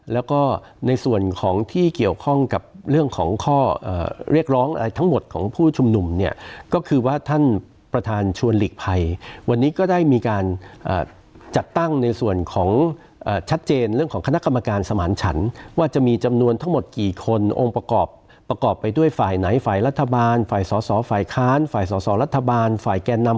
แล้วก็ในส่วนของที่เกี่ยวข้องกับเรื่องของข้อเรียกร้องอะไรทั้งหมดของผู้ชุมนุมเนี่ยก็คือว่าท่านประธานชวนหลีกภัยวันนี้ก็ได้มีการจัดตั้งในส่วนของชัดเจนเรื่องของคณะกรรมการสมานฉันว่าจะมีจำนวนทั้งหมดกี่คนองค์ประกอบประกอบไปด้วยฝ่ายไหนฝ่ายรัฐบาลฝ่ายสอสอฝ่ายค้านฝ่ายสอสอรัฐบาลฝ่ายแกนนำ